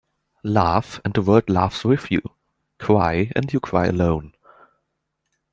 Laugh and the world laughs with you. Cry and you cry alone.